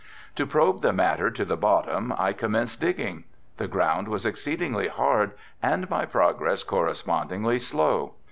To probe the matter to the bottom I commenced digging. The ground was exceedingly hard and my progress correspondingly slow.